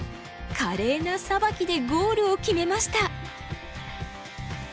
華麗なさばきでゴールを決めました！